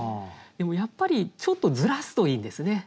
でもやっぱりちょっとずらすといいんですね。